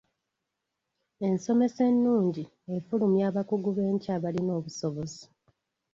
Ensomesa ennungi efulumya abakugu b'enkya abalina obusobozi.